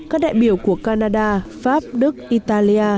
các đại biểu của canada pháp đức italia